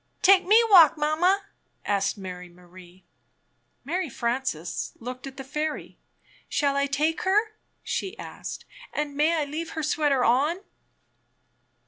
"Take me walk, Mamma?" asked Mary Marie. Mary Frances looked at the fairy. "Shall I take her?" she asked; "and may I leave her sweater on?"